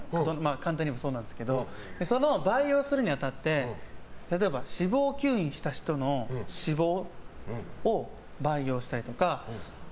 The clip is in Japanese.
簡単に言えばそうなんですけど培養するに当たって例えば脂肪吸引した人の脂肪を培養したりとか。